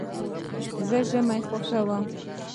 زه ژمی خوښوم.